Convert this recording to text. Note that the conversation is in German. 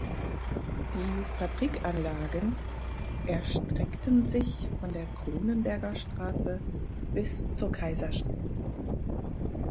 Die Fabrikanlagen erstreckten sich von der Cronenberger Straße bis zur Kaiserstraße.